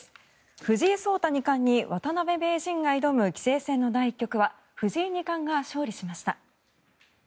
藤井聡太２冠に渡辺名人が挑む棋聖戦の第１局は藤井二冠が勝利しました。